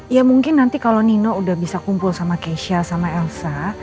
ya mungkin nanti kalau nino udah bisa kumpul sama keisha sama elsa